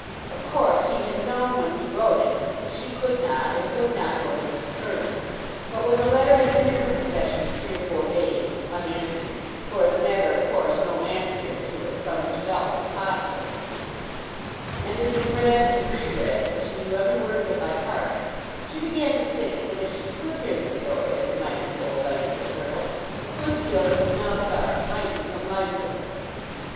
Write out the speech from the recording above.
Of course he had known when he wrote it that she could not and would not go to Mrs. Hurtle. But when the letter had been in her possession three or four days, unanswered, for, as a matter of course, no answer to it from herself was possible, and had been read and re read till she knew every word of it by heart, she began to think that if she could hear the story as it might be told by Mrs. Hurtle, a good deal that was now dark might become light to her.